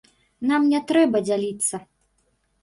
Нам не трэба дзяліцца.